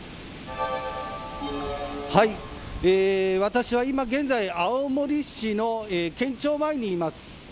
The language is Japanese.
私は今、現在青森市の県庁前にいます。